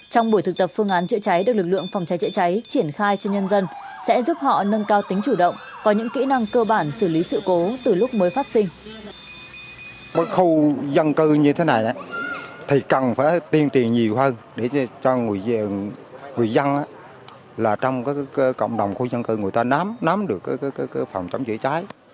trong buổi thực tập phương án chữa cháy được lực lượng phòng cháy chữa cháy triển khai cho nhân dân sẽ giúp họ nâng cao tính chủ động có những kỹ năng cơ bản xử lý sự cố từ lúc mới phát sinh